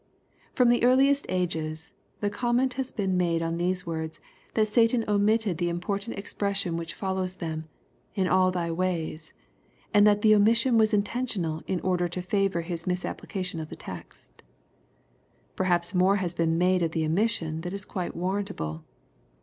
] From the earliest ages the comment has been made on these words, that Satan omitted the important expression which follows them, '^ In all thy ways ;" and that the omission was intentional in order to favor his misappUcation of the text^ Perhaps more has been made of the omission than is quite war rantable.